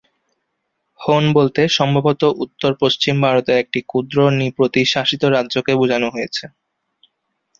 হুন বলতে সম্ভবত উত্তর-পশ্চিম ভারতের একটি ক্ষুদ্র নৃপতি-শাসিত রাজ্যকে বোঝানো হয়েছে।